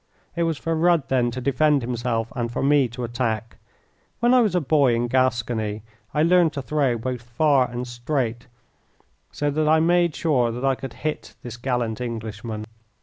It was for Rudd then to defend himself and for me to attack. When I was a boy in Gascony I learned to throw both far and straight, so that I made sure that I could hit this gallant Englishman.